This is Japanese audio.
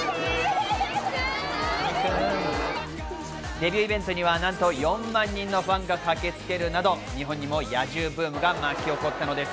デビューイベントにはなんと４万人のファンが駆けつけるなど日本にも野獣ブームが巻き起こったのです。